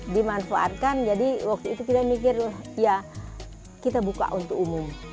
dimanfaatkan jadi waktu itu kita mikir ya kita buka untuk umum